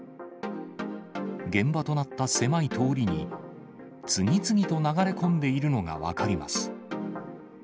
現場となった狭い通りに、次々と流れ込んでいるのが分かります。